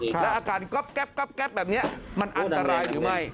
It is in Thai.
แล้วอาการก๊อบแบบนี้มันอันตรายหรือไม่